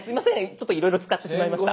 ちょっといろいろ使ってしまいました。